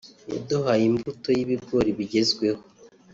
yaduhaye imbuto y’ibigori bigezweho